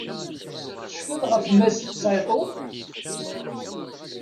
Tecfiḍ ɣef Mass Saito?